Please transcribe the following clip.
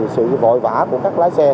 sự vội vã của các lái xe